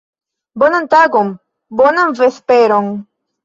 Bonan tagon, bonan vesperon.